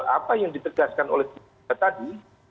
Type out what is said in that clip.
apa yang ditegaskan oleh kita tadi